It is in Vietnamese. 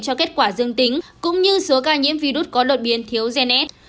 cho kết quả dương tính cũng như số ca nhiễm virus có đột biến thiếu gens